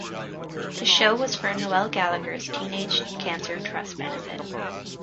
The show was for Noel Gallagher's Teenage Cancer Trust benefit.